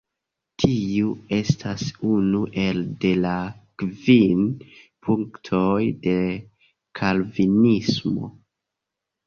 Tiu estas unu el de la Kvin punktoj de Kalvinismo.